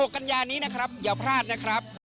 ๑๖กันยานี้นะครับเดี๋ยวพลาดนะครับ